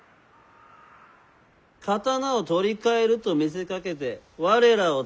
刀を取り替えると見せかけて我らを捕まえる気であろう？